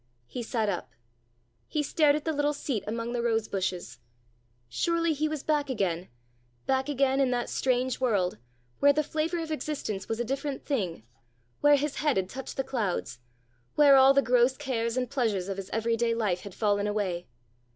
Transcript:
He sat up. He stared at the little seat among the rose bushes. Surely he was back again, back again in that strange world, where the flavor of existence was a different thing, where his head had touched the clouds, where all the gross cares and pleasures of his everyday life had fallen away!